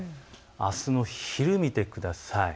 あすの昼を見てください。